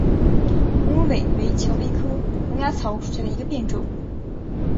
黄龙尾为蔷薇科龙芽草属下的一个变种。